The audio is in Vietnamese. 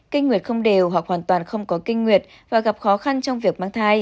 kinh nguyệt không đều hoặc hoàn toàn không có kinh nguyệt và gặp khó khăn trong việc mang thai